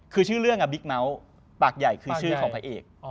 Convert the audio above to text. คือชื่อเรื่องบิ๊กเมาส์ปากใหญ่คือชื่อของพระเอก